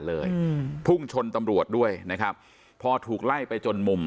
เลยอืมพุ่งชนตำรวจด้วยนะครับพอถูกไล่ไปจนมุม